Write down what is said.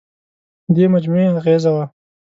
دې مجموعې اغېزه وه.